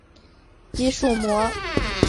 肌束膜。